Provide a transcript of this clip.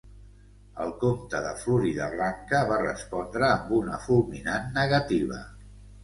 El Comte de Floridablanca va respondre amb una fulminant negativa.